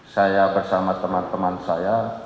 saya bersama teman teman saya